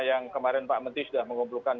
yang kemarin pak menteri sudah mengumpulkan